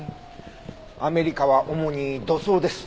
アメリカは主に土葬です。